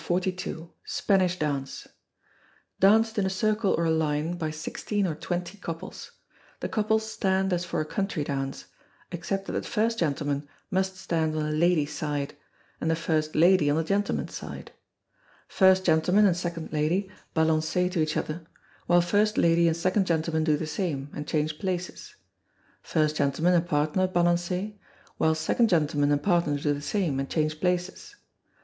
Spanish Dance. Danced in a circle or a line by sixteen or twenty couples. The couples stand as for a Country Dance, except that the first gentleman must stand on the ladies' side, and the first lady on the gentlemen's side. First gentleman and second lady balancez to each other, while first lady and second gentleman do the same, and change places. First gentleman and partner balancez, while second gentleman and partner do the same, and change places.